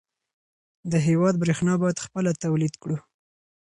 د هېواد برېښنا باید خپله تولید کړو.